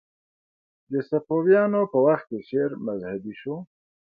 د صفویانو په وخت کې شعر مذهبي شو